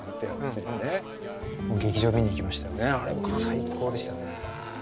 最高でしたね。